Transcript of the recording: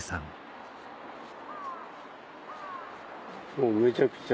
もうめちゃくちゃ。